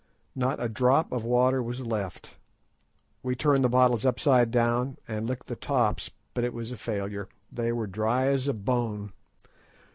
Not a drop of water was left. We turned the bottles upside down, and licked their tops, but it was a failure; they were dry as a bone.